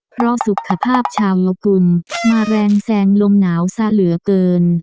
เพราะสุขภาพชาวลกุลมาแรงแซงลมหนาวซะเหลือเกิน